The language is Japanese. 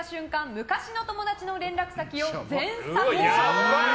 昔の友達の連絡先を全削除！